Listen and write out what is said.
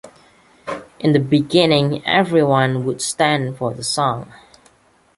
In the beginning, everyone would stand for the song.